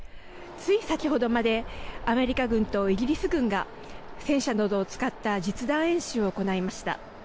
つい先ほどまでアメリカ軍とイギリス軍が戦車などを使った実弾演習を行いました。